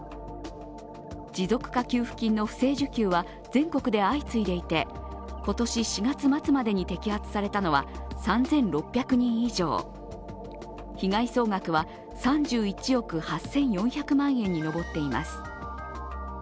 持続化給付金の不正受給は全国で相次いでいて今年４月末までに摘発されたのは３６００人以上、被害総額は３１億８４００万円に上っています。